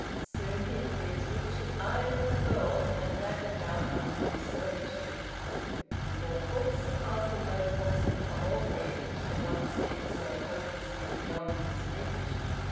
Soon he would be as rich as either of the girls, and that without undue servitude. He bought books surpassing those books of Tom Orgreave which had once seemed so hopelessly beyond his reach.